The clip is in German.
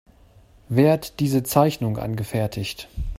Wer hat diese Zeichnung angefertigt?